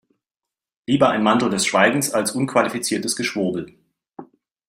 Lieber ein Mantel des Schweigens als unqualifiziertes Geschwurbel.